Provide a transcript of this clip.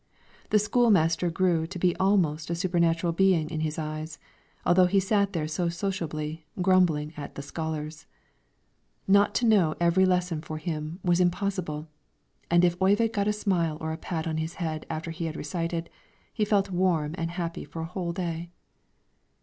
The school master grew to be almost a supernatural being in his eyes, although he sat there so sociably, grumbling at the scholars. Not to know every lesson for him was impossible, and if Oyvind got a smile or a pat on his head after he had recited, he felt warm and happy for a whole day.